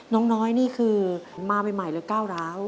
น้องน้อยนี่คือมาใหม่แล้วก้าวร้าว